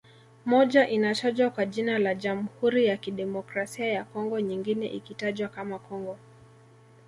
Moja inatajwa kwa jina la Jamhuri ya Kidemokrasia ya Congo nyingine ikitajwa kama Congo